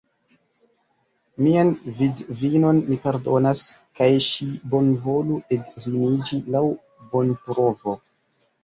Mian vidvinon mi pardonas, kaj ŝi bonvolu edziniĝi laŭ bontrovo.